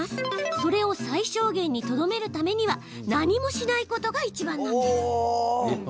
それを最小限にとどめるには何もしないことがいちばんなんです。